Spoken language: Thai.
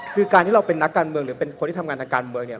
คือการที่เราเป็นนักการเมืองหรือเป็นคนที่ทำงานทางการเมืองเนี่ย